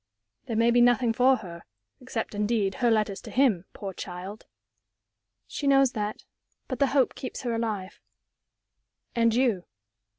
"There may be nothing for her except, indeed, her letters to him poor child!" "She knows that. But the hope keeps her alive." "And you?"